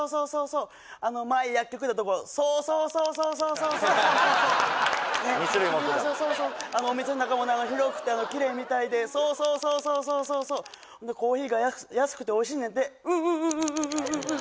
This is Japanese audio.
あの前薬局やったところそうそうそうそうそうそうそうねっ行きましょうそうそうお店の中も広くてきれいみたいでそうそうそうそうそうそうそうコーヒーが安くておいしいねんてうんうんうんうんうんうんうん